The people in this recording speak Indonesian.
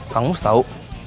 kang mus tahu